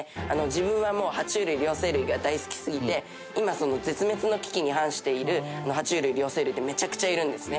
自分は爬虫類両生類が大好きすぎて今絶滅の危機に瀕している爬虫類両生類ってめちゃくちゃいるんですね。